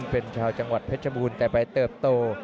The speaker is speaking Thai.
เป็นชาวจังหวัดเพชรบูรณ์แต่ไปเติบโต